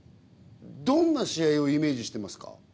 どんな試合をイメージしてますか？